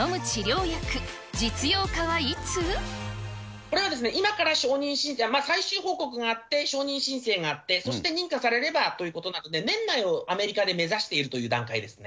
これは今から承認し、最終報告があって、承認申請があって、そして認可されればということなので、年内をアメリカで目指しているという段階ですね。